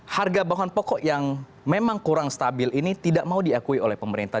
harga bahan pokok yang memang kurang stabil ini tidak mau diakui oleh pemerintah